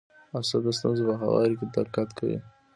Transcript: اسد د ستونزو په هواري کي دقت کوي.